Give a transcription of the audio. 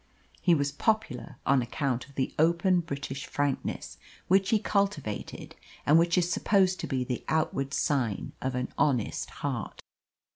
He was popular on account of the open British frankness which he cultivated, and which is supposed to be the outward sign of an honest heart.